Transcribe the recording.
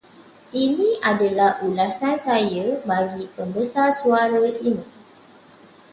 Ini adalah ulasan saya bagi pembesar suara ini.